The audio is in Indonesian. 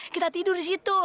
kita tidur di situ